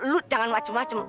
lo jangan macem macem